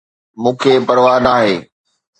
مون کي پرواه ناهي